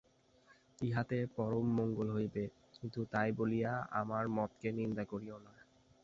ইহাতে পরম মঙ্গল হইবে, কিন্তু তাই বলিয়া আমার মতকে নিন্দা করিও না।